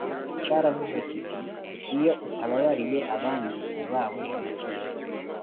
cyaravuze kiti iyo utababariye abandi uba wihemukira